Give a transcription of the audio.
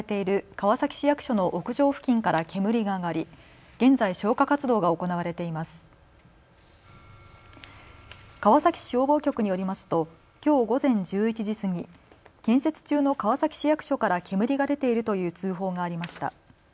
川崎市消防局によりますときょう午前１１時過ぎ、建設中の川崎市役所から煙が出ているという通報がありました。